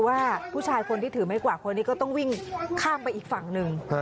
ว่าผู้ชายคนที่ถือไม้กว่าคนนี้ก็ต้องวิ่งข้ามไปอีกฝั่งหนึ่ง